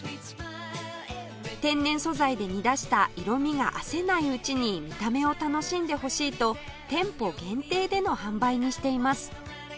天然素材で煮出した色味があせないうちに見た目を楽しんでほしいと店舗限定での販売にしています